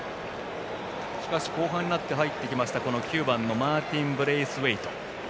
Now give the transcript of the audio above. しかし、後半になって入ってきた９番のマーティン・ブレイスウェイト